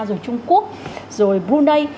rồi trung quốc rồi brunei